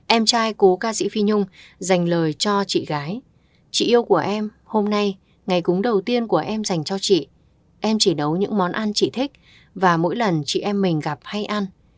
em trai cố ca sĩ phi nhung dành lời cho chị gái chị yêu của em hôm nay ngày cúng đầu tiên của em dành cho chị em chỉ nấu những món ăn chị thích và mỗi lần chị em mình gặp hay ăn